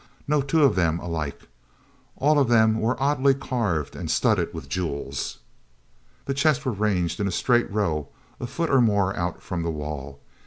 No two of them alike; all of them were oddly carved and studded with jewels. The chests were ranged in a straight row a foot or more out from the wall.